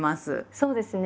そうですね。